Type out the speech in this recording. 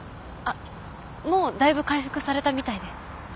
あっもうだいぶ回復されたみたいで。